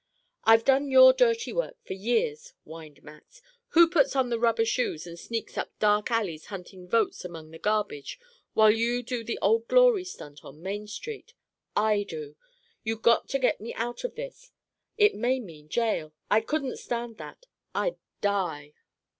"I've done your dirty work for years," whined Max. "Who puts on the rubber shoes and sneaks up dark alleys hunting votes among the garbage, while you do the Old Glory stunt on Main Street? I do. You got to get me out of this. It may mean jail. I couldn't stand that. I'd die."